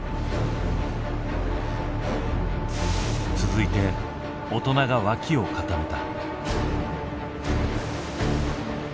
続いて大人が脇を固めた。